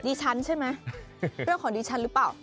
ฉันใช่ไหมเรื่องของดิฉันหรือเปล่า